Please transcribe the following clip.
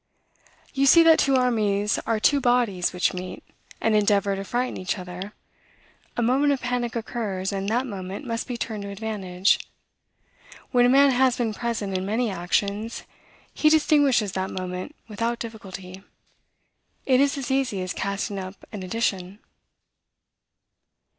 You see that two armies are two bodies which meet, and endeavor to frighten each other: a moment of panic occurs, and that moment must be turned to advantage. When a man has been present in many actions, he distinguishes that moment without difficulty; it is as easy as casting up an addition."